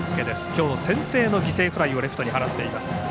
今日、先制の犠牲フライをレフトに放ちました。